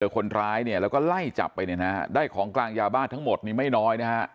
คนร้ายเนี่ยแล้วก็ไล่จับไปเนี่ยนะฮะได้ของกลางยาบ้าทั้งหมดนี่ไม่น้อยนะฮะ